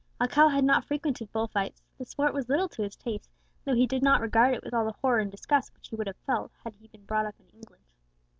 Alcala had not frequented bull fights; the sport was little to his taste, though he did not regard it with all the horror and disgust which he would have felt had he been brought up in England.